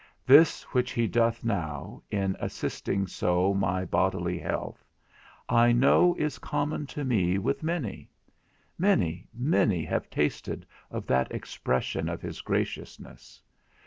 This which he doth now, in assisting so my bodily health, I know is common to me with many: many, many have tasted of that expression of his graciousness.